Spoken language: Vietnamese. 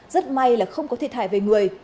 rất may là không có thiệt hại về người